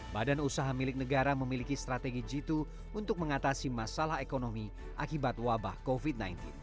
badan usaha milik negara memiliki strategi jitu untuk mengatasi masalah ekonomi akibat wabah covid sembilan belas